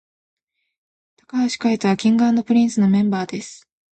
髙橋海人は King & Prince のメンバーです